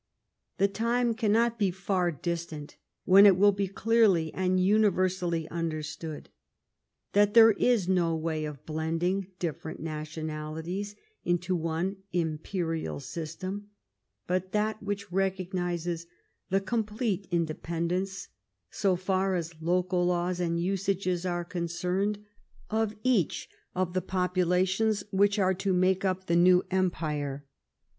The time cannot be far distant when it will be clear ly and universally understood that there is no way of blending diflFerent nationalities into one imperial sys tem but that which recognizes the complete indepen dence, so far as local laws and usages are concerned, of each of the populations which are to make up the new empire.